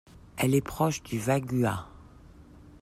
Elle est proche du vaghua.